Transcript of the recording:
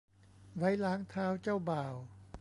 ไว้ล้างเท้าเจ้าบ่าว